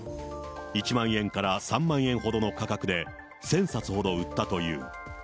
１万円から３万円ほどの価格で、１０００冊ほど売ったという。